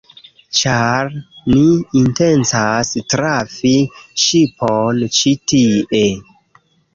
Ĉar ni intencas trafi ŝipon ĉi tie